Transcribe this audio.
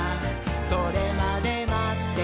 「それまでまっててねー！」